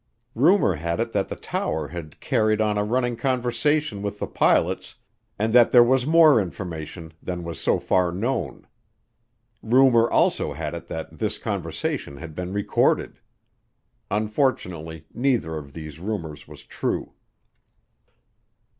Rumor had it that the tower had carried on a running conversation with the pilots and that there was more information than was so far known. Rumor also had it that this conversation had been recorded. Unfortunately neither of these rumors was true.